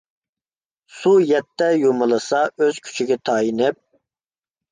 سۇ يەتتە يۇمىلىسا ئۆز كۈچىگە تايىنىپ.